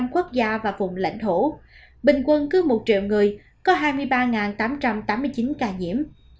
một mươi quốc gia và vùng lãnh thổ bình quân cứ một triệu người có hai mươi ba tám trăm tám mươi chín ca nhiễm